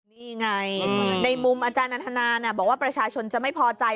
นี่ไงในมุมอาจารย์นันทนาบอกว่าประชาชนจะไม่พอใจ